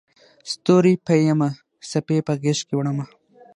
ستوري پېیمه څپې په غیږکې وړمه